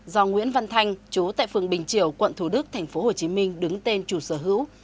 do nguyễn văn thanh chú tại phường bình triều quận thủ đức tp hcm đứng tên chủ sở hữu